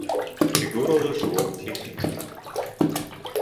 Фигуралы шыуыу техникаһы